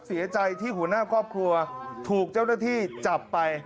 เสียใจที่หัวหน้าครอบครัวถูกเจ้าหน้าที่จับไป